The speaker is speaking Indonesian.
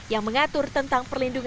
yang mengatur tentang perlindungan